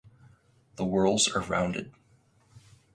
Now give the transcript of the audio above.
The whorls are rounded.